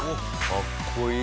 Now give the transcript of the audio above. かっこいい。